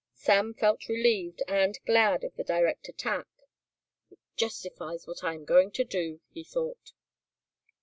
Sam felt relieved and glad of the direct attack. "It justifies what I am going to do," he thought.